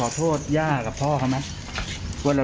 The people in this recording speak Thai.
ลองไปดูบรรยากาศช่วงนั้นนะคะ